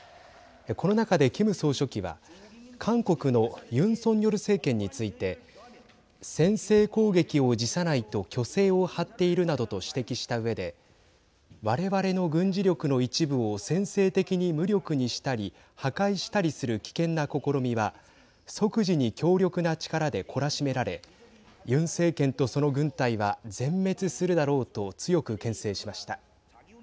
この中で、キム総書記は韓国のユン・ソンニョル政権について先制攻撃を辞さないと虚勢を張っているなどと指摘したうえでわれわれの軍事力の一部を先制的に無力にしたり破壊したりする危険な試みは即時に強力な力で懲らしめられユン政権と、その軍隊は全滅するだろうと強くけん制しました。